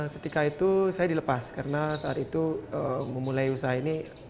ketika itu saya dilepas karena saat itu memulai usaha ini